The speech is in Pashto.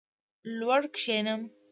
لوړ کښېنم.